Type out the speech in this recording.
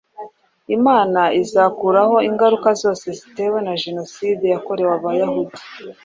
Imana izakuraho ingaruka zose zatewe na jenoside yakorewe Abayahudi,